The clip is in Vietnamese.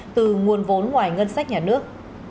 từ nguồn vốn ngoài ngân sách nhà nước